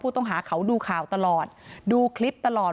ต้องหาเขาดูข่าวตลอดดูคลิปตลอด